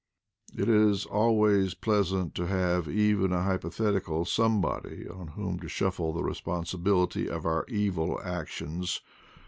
It is always pleasant to have even a hypothet ical somebody on whom to shuffle the responsibil ity of our evil actions.